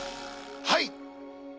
はい！